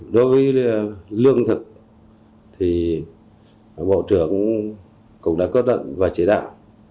đối với lương thực thì bộ trưởng cũng đã có đợt và chế đạo